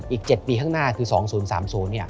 อีก๗ปีข้างหน้าคือ๒๐๓๐